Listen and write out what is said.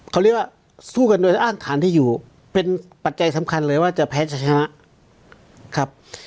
เขาเรียกว่าสู้กันโดยอ้างฐานที่อยู่เป็นปัจจัยสำคัญเลยว่าจะแพ้จะชนะครับ